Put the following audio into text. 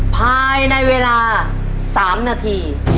ภายในเวลา๓นาที